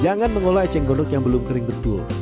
jangan mengolah eceng gondok yang belum kering betul